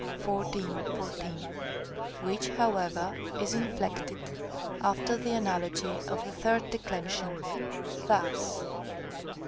14), which, however, is inflected after the analogy of the third declension, thus : G.